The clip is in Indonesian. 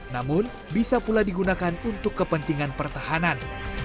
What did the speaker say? namun bisa pula digunakan untuk kepentingan pertahanan